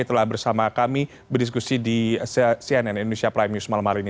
telah bersama kami berdiskusi di cnn indonesia prime news malam hari ini